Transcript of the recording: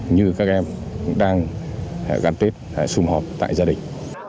như các em đang gắn tết xung họp tại gia đình